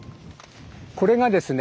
これがですね